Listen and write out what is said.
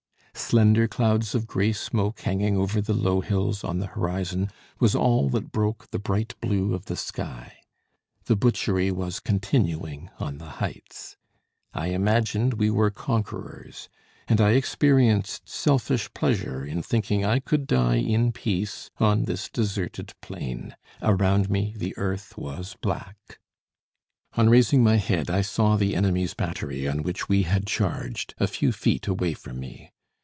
Slender clouds of grey smoke hanging over the low hills on the horizon, was all that broke the bright blue of the sky. The butchery was continuing on the heights. I imagined we were conquerors, and I experienced selfish pleasure in thinking I could die in peace on this deserted plain. Around me the earth was black. On raising my head I saw the enemy's battery on which we had charged, a few feet away from me.